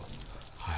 はい。